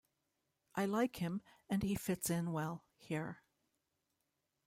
I like him and he fits in well here.